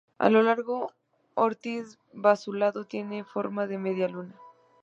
El lago Ortiz Basualdo tiene forma de media luna.